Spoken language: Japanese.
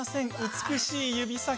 美しい指先。